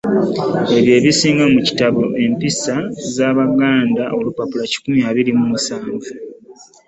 Ebyo bisange mu kitabo Empisa z’Abaganda olupapula kikumi abiri mu musanvu.